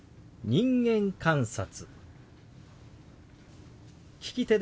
「人間観察」。